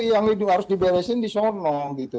yang harus dibelesin di sonong gitu